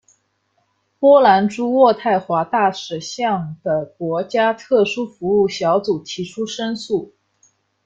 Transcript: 波兰驻渥太华大使向的国家特殊服务小组提出申诉。